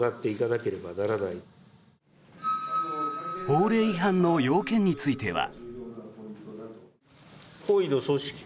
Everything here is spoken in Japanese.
法令違反の要件については。